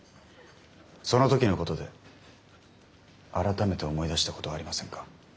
その時のことで改めて思い出したことはありませんか？